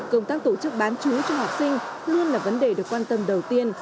công tác tổ chức bán chú cho học sinh luôn là vấn đề được quan tâm đầu tiên